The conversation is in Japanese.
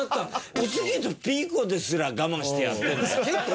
おすぎとピーコですら我慢してやってんだよ。